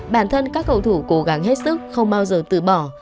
bản thân các cầu thủ cố gắng hết sức không bao giờ từ bỏ